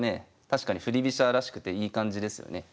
確かに振り飛車らしくていい感じですよね。